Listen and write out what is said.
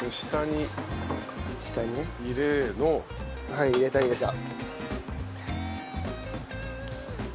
はい入れた入れた。